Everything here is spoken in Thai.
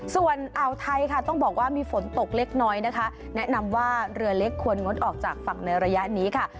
ส่วนอ่าวไทยค่ะต้องบอกว่ามีฝนตกเล็กน้อยนะคะแนะนำว่าเรือเล็กควรงดออกจากฝั่งในระยะนี้ค่ะ